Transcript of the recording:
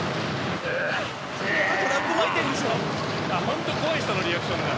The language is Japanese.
ホント怖い人のリアクションだ。